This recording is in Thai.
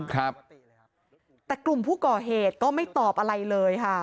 ครับแต่กลุ่มผู้ก่อเหตุก็ไม่ตอบอะไรเลยค่ะ